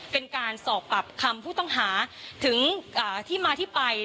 เป็นการสอบปากคำผู้ต้องหาถึงที่มาที่ไป